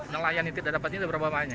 nelayan yang tidak dapatnya berapa banyak